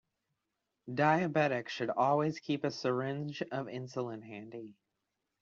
Diabetics should always keep a syringe of insulin handy.